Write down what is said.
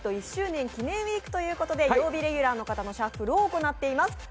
１周年記念ウイークということで、曜日レギュラーの方のシャッフルを行っています。